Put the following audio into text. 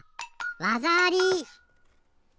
わざあり！